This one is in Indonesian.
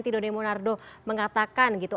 dode monardo mengatakan gitu